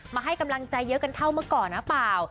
ให้กำลังใจเยอะกันเท่าเมื่อก่อนหรือเปล่า